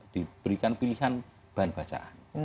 diberikan pilihan bahan bacaan